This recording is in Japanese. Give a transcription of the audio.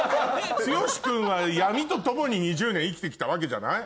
剛君は闇と共に２０年生きて来たわけじゃない？